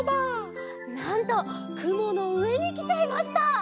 なんとくものうえにきちゃいました！